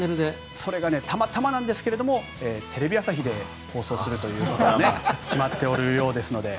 それがたまたまなんですがテレビ朝日で放送するということが決まっているようですので。